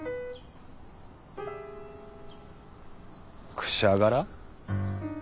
「くしゃがら」？